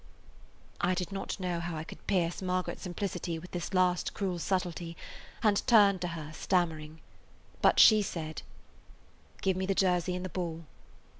I did not know how I could pierce Margaret's simplicity with this last cruel subtlety, and turned to her, stammering. But she said: "Give me the jersey and the ball."